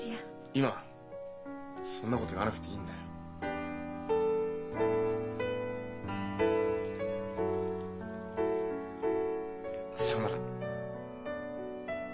今そんなこと言わなくていいんだよ。さよなら。